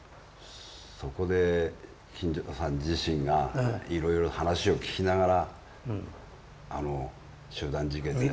そこで金城さん自身がいろいろ話を聞きながらあの集団自決で。